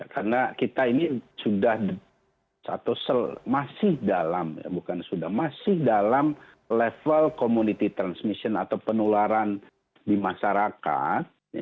karena kita ini sudah masih dalam level community transmission atau penularan di masyarakat